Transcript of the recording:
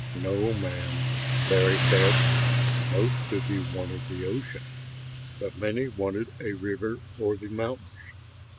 "No, ma'am," Larry said. "Most of you wanted the ocean, but many wanted a river or the mountains.